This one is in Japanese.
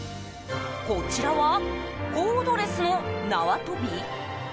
こちらはコードレスの縄跳び？